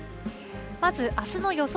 まず、あすの予想